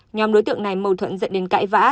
nhóm đối tượng này mâu thuẫn dẫn đến cãi vã